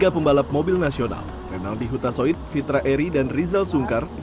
tiga pembalap mobil nasional renaldi hutasoid fitra eri dan rizal sungkar